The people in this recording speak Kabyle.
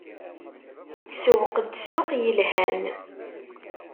Tsewweq-d ssuq yelhan.